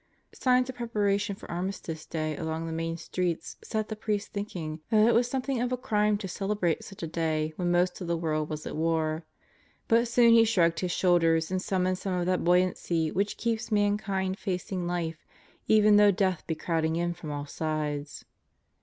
Signs of preparation for Armistice Day along the main streets set the priest thinking that it was something of a crime to celebrate such a day when most of the world was at war. But soon he shrugged his shoulders and summoned some of that buoyancy which keeps mankind facing life even though death be crowding in from all sides.